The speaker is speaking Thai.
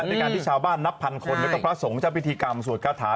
ด้วยการที่ชาวบ้านนับพันคนแล้วก็พระสงฆ์เจ้าพิธีกรรมสวดคาถา